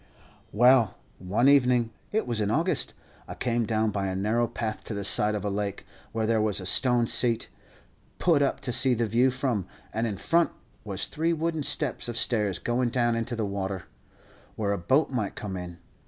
"Well, one evening it was in August I came down by a narrow path to the side of a lake, where there was a stone seat, put up to see the view from, and in front was three wooden steps of stairs going down into the water, where a boat might come in.